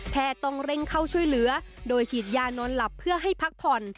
ต้องเร่งเข้าช่วยเหลือโดยฉีดยานอนหลับเพื่อให้พักผ่อน